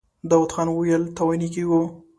داوود خان وويل: تاواني کېږو.